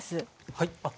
はい。